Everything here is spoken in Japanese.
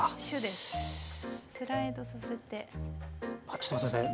ちょっと待って下さい。